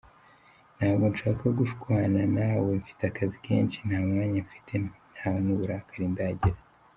Ntabwo nshaka gushwana nawe, mfite akazi kenshi nta mwanya mfite, nta n’uburakari ndagira.